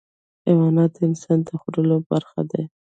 حیوانات د انسان د خوړو برخه دي.